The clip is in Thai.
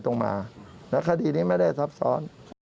ตรงมาและคดีนี้ไม่ได้ซับซ้อน